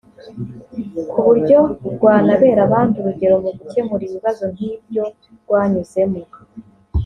ku buryo rwanabera abandi urugero mu gukemura ibibazo nk’ibyo rwanyuzemo